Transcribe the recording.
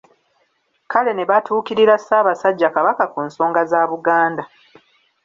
Kale ne batuukirira Ssaabasajja Kabaka ku nsonga za Buganda.